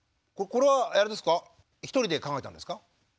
これはあれですか一人で考えたんですか？